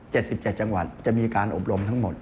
เป็นว่า๗๗จังหวัดจะมีการอบรมทั้งหมด